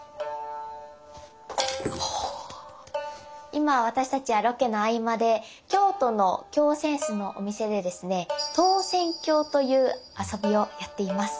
今私たちはロケの合間で京都の京扇子のお店でですね「投扇興」という遊びをやっています。